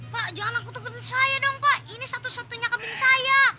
pak jangan aku takutin saya dong pak ini satu satunya kambing saya